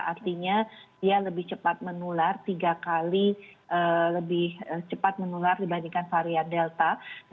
artinya dia lebih cepat menular tiga kali lebih cepat menular dibandingkan varian delta